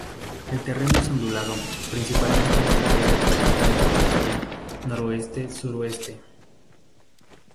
El terreno es ondulado, principalmente en el área de garganta de la montaña noroeste-sureste.